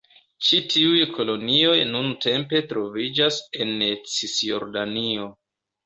Ĉi tiuj kolonioj nuntempe troviĝas en Cisjordanio.